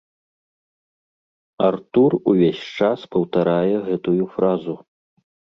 Артур увесь час паўтарае гэтую фразу.